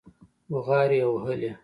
بوغارې يې وهلې.